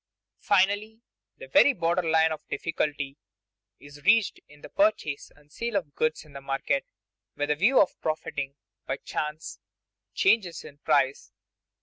Finally, the very border line of difficulty is reached in the purchase and sale of goods in the market with a view of profiting by chance changes in price.